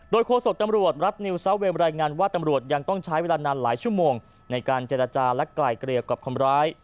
โดยโฆษกตำรวจรัฐนิวซาเวมรายงานว่าตำรวจยังต้องใช้เวลานานหลายชั่วโมงในการเจรจาและไกลเกลียวกับคนร้าย